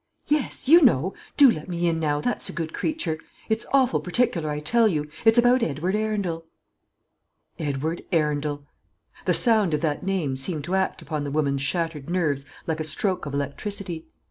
"Yes, you know. Do let me in now, that's a good creature. It's awful particular, I tell you. It's about Edward Arundel." Edward Arundel! The sound of that name seemed to act upon the woman's shattered nerves like a stroke of electricity.